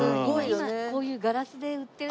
今こういうガラスで売ってる。